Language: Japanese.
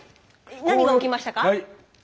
何が起きましたか？